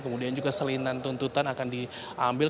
kemudian juga selinan tuntutan akan diambil